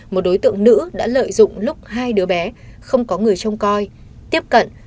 một đối tượng nữ đã lợi dụng lúc hai đứa bé không có người trông coi tiếp cận